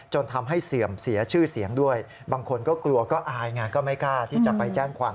จนทำให้เสื่อมเสียชื่อเสียงด้วยบางคนก็กลัวก็อายไงก็ไม่กล้าที่จะไปแจ้งความ